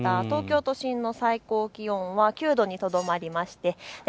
東京都心の最高気温は９度にとどまりました。